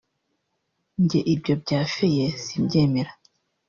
“Jye ibyo bya feye simbyemera